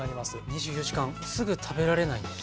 ２４時間すぐ食べられないんですね。